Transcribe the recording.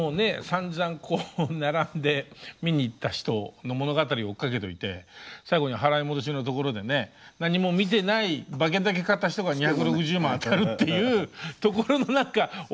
さんざんこう並んで見に行った人の物語を追っかけといて最後に払い戻しのところでね何も見てない馬券だけ買った人が２６０万当たるっていうところの何かおあとのよろしさ。